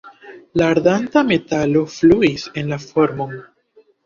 La ardanta metalo fluis en la formon.